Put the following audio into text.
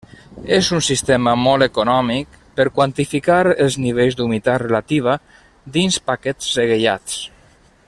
És un sistema molt econòmic per quantificar els nivells d’humitat relativa dins paquets segellats.